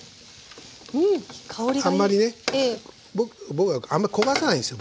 僕はあんまり焦がさないんですよ